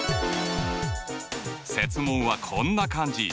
設問はこんな感じ。